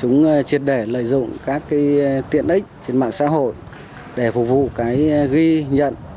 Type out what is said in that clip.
chúng triệt để lợi dụng các tiện ích trên mạng xã hội để phục vụ ghi nhận